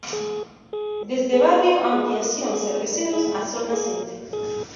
Desde barrio Ampliación Cerveceros a Sol Naciente.